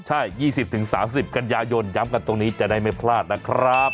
ใช่๒๐๓๐กันยายนย้ำกันตรงนี้จะได้ไม่พลาดนะครับ